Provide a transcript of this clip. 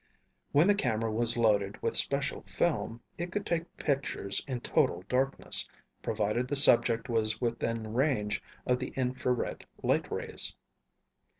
When the camera was loaded with special film, it could take pictures in total darkness, provided the subject was within range of the infrared light rays.